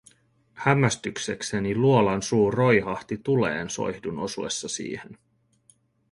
Hämmästyksekseni luolan suu roihahti tuleen soihdun osuessa siihen.